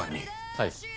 はい。